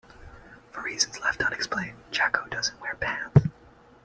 For reasons left unexplained, Jacko doesn't wear pants.